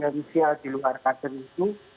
orang orang potensial di luar kader itu